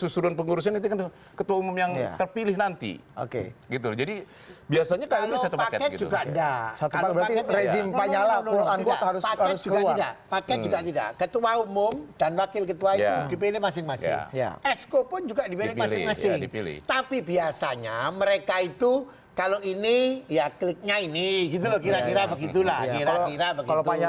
serahkan dalam mekanisme klb